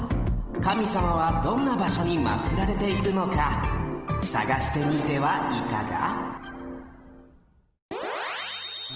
神様はどんなばしょにまつられているのかさがしてみてはいかが？